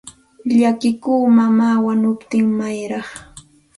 Llakita mamaa wanukuptin mayarqaa.